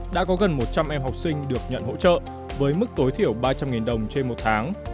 đã có gần một trăm linh em học sinh được nhận hỗ trợ với mức tối thiểu ba trăm linh đồng trên một tháng